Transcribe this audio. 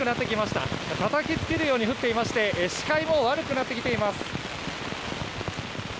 たたきつけるように降っていまして視界も悪くなってきています。